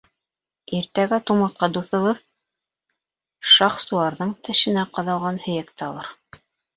Иртәгә тумыртҡа дуҫыбыҙ Шахсуарҙың тешенә ҡаҙалған һөйәкте алыр.